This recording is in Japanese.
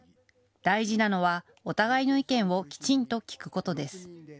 大事なのはお互いの意見をきちんと聴くことです。